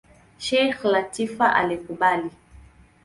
Sheikh Lateef alikubali.